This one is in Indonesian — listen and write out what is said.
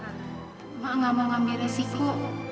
mak gak mau ambil resiko